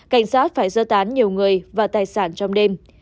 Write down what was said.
cảnh sát phải sơ tán nhiều người và tài sản trong đêm